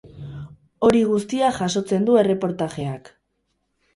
Hori guztia jasotzen du erreportajeak.